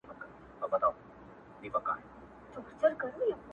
نور مي د سپوږمۍ په پلوشو خیالونه نه مینځم-